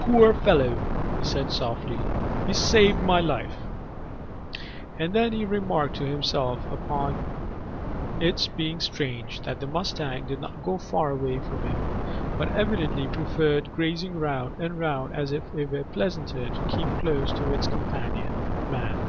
"Poor fellow," he said softly; "he saved my life." And then he remarked to himself upon its being strange that the mustang did not go far away from him, but evidently preferred grazing round and round as if it were pleasanter to keep close to its companion, man.